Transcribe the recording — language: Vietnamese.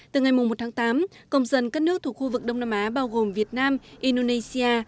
từ ngày một tháng tám công dân các nước thuộc khu vực đông nam á bao gồm việt nam indonesia